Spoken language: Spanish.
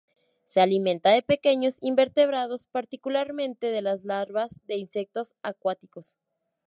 Se alimenta de pequeños invertebrados, particularmente de las larvas de insectos acuáticos.